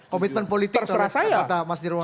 komitmen politik terhadap kata mas dirwan